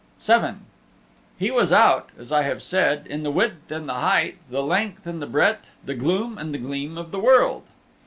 VII He was out, as I have said, in the width and the height, the length and the breadth, the gloom and the gleam of the world.